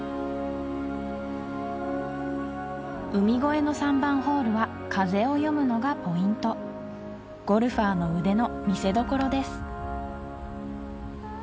海越えの３番ホールは風を読むのがポイントゴルファーの腕の見せどころです